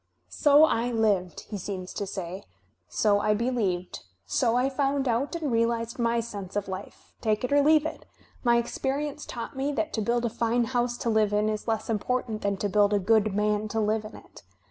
"So I lived," he seems to say; "so I believed; so I found out and realized my sense of life. Take it or leave it. My experience taught me that to build a fine house to live In is less important than to build a good man to live in it.